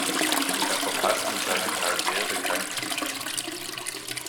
Er verpasste in seiner Karriere kein Pflichtspiel.